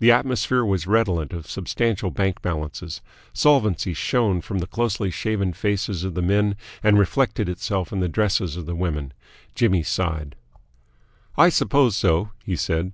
The atmosphere was redolent of substantial bank balances. Solvency shone from the closely shaven faces of the men and reflected itself in the dresses of the women. Jimmy sighed. "I suppose so," he said.